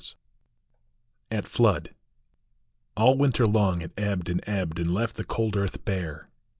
221 AT FLOOD. LL winter long it ebbed and ebbed, and left the cold earth bare.